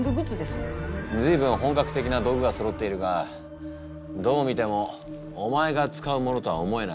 随分本格的な道具がそろっているがどう見てもお前が使うものとは思えない。